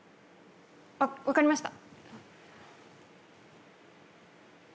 あっ分かりました